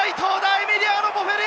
エミリアノ・ボフェリ！